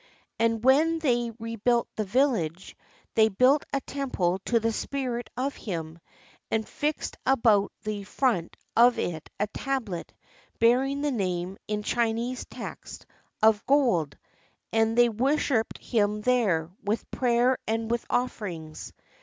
And when they rebuilt the village, they built a temple to the spirit of him, and fixed about the front of it a tablet bearing his name in Chinese text of gold; and they worshiped him there, with prayer and with offerings.